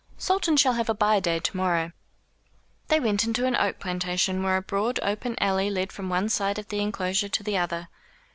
"Sultan shall have a by day to morrow." They went into an oak plantation, where a broad open alley led from one side of the enclosure to the other.